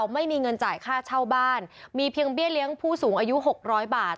ไม่มีเงินจ่ายค่าเช่าบ้านมีเพียงเบี้ยเลี้ยงผู้สูงอายุ๖๐๐บาท